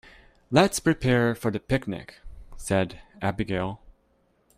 "Let's prepare for the picnic!", said Abigail.